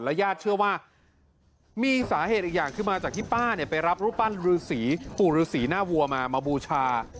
ญาติเชื่อว่ามีสาเหตุอีกอย่างคือมาจากที่ป้าเนี่ยไปรับรูปปั้นรือสีปู่ฤษีหน้าวัวมามาบูชา